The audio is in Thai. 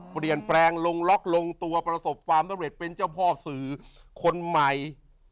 เปลี่ยนแปลงลงล็อกลงตัวประสบความสำเร็จเป็นเจ้าพ่อสื่อคนใหม่